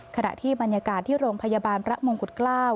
ขณะที่บรรยากาศที่โรงพยาบาลพระมงกุฎเกล้า